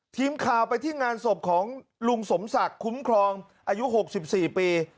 ทีมข่าวไปที่งานศพของลุงสมศักดิ์คุ้มครองอายุ๖๔ปี